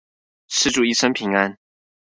施主一生平安